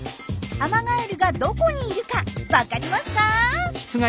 アマガエルがどこにいるかわかりますか？